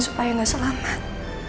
supaya gak selamat